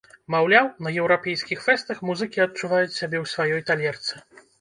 Маўляў, на еўрапейскіх фэстах музыкі адчуваюць сябе ў сваёй талерцы.